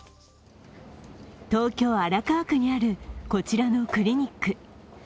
東京・荒川区にあるこちらのクリニック。